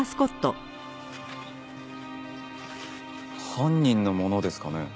犯人のものですかね？